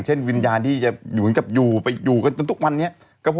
ฉันไม่เกิดกลัวอยากให้มา